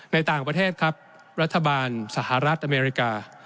ในต่างประเทศครับรัฐบาลสหรัฐอเมริกา